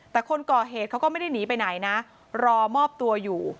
แต่คนก่อเหตุเขาก็ไม่ได้หนีไปไหนนะรอมอบตัวอยู่